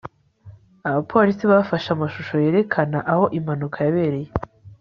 abapolisi bafashe amashusho yerekana aho impanuka yabereye